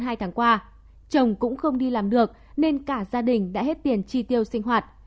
trong hai tháng qua chồng cũng không đi làm được nên cả gia đình đã hết tiền chi tiêu sinh hoạt